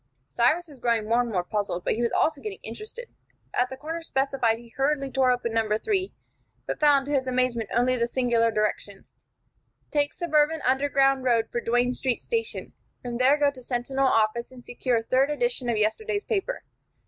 Cyrus was growing more and more puzzled, but he was also getting interested. At the corner specified he hurriedly tore open No. 3, but found, to his amazement, only the singular direction: "Take Suburban Underground Road for Duane Street Station. From there go to Sentinel office, and secure third edition of yesterday's paper.